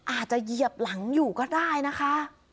เหยียบหลังอยู่ก็ได้นะคะ